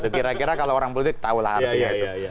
kira kira kalau orang politik tahulah artinya itu